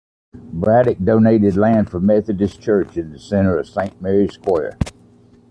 Braddock donated land for a Methodist church in the center of Saint Mary's square.